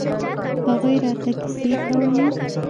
هغوى راته کيسې کولې.